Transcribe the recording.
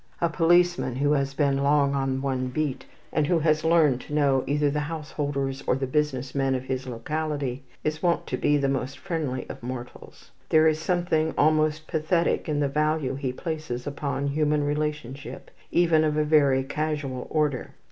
A policeman who has been long on one beat, and who has learned to know either the householders or the business men of his locality, is wont to be the most friendly of mortals. There is something almost pathetic in the value he places upon human relationship, even of a very casual order.